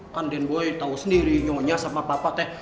kan den boy tau sendiri nyonya sama papa ten